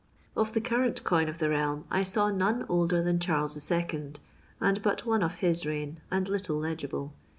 Of the current coin of the realm, I saw none older than Charles II., and but one of his reign, and little legible.